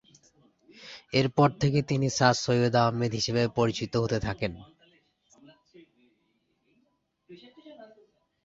এর পর থেকে তিনি স্যার সৈয়দ আহমদ; হিসাবে পরিচিত হতে থাকেন।